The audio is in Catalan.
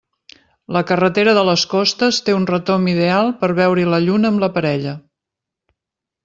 La carretera de les Costes té un retomb ideal per veure-hi la lluna amb la parella.